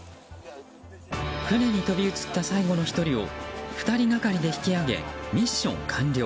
船に飛び移った最後の１人を２人がかりで引き上げミッション完了。